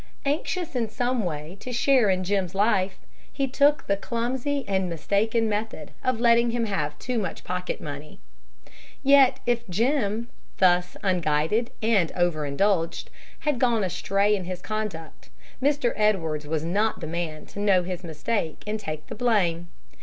Anxious in some way to share in Jim's life, he took the clumsy and mistaken method of letting him have too much pocket money. Yet if Jim, thus unguided and overindulged, had gone astray in his conduct, Mr. Edwards was not the man to know his mistake and take the blame.